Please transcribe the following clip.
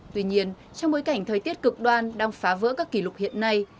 tuy nhiên trong bối cảnh thời tiết cực đoan đang phá vỡ các kỷ lục hiện nay